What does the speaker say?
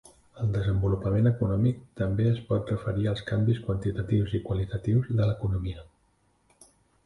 El desenvolupament econòmic també es pot referir als canvis quantitatius i qualitatius de l'economia.